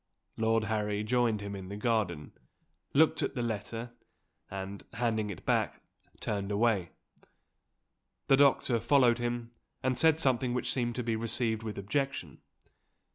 Lord Harry joined him in the garden looked at the letter and, handing it back, turned away. The doctor followed him, and said something which seemed to be received with objection. Mr.